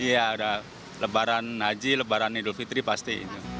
iya ada lebaran haji lebaran idul fitri pasti